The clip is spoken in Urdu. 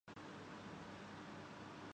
ذریعہ فالٹن پریبن یوایساے